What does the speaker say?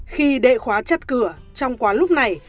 khi đệ khóa chất cửa trong quán lúc này